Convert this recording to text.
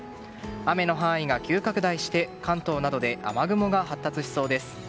雨の範囲が急拡大して関東などで雨雲が発達しそうです。